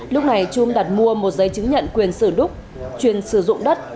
lúc này trung đặt mua một giấy chứng nhận quyền sử đúc chuyên sử dụng đất